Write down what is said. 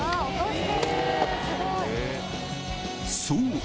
そう！